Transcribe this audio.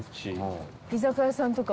居酒屋さんとか。